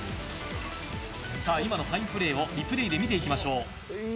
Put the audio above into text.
さあ、今のファインプレーをリプレーで見てみましょう。